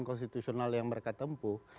konstitusional yang mereka tempuh